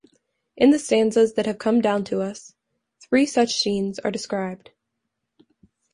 In the stanzas that have come down to us three such scenes are described.